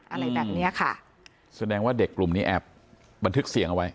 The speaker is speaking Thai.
อะไรแบบเนี้ยค่ะแสดงว่าเด็กกลุ่มนี้แอบบันทึกเสียงเอาไว้